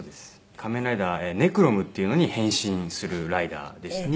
仮面ライダーネクロムっていうのに変身するライダーでしたね。